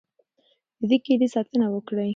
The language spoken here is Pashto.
د دې کیلي ساتنه وکړئ.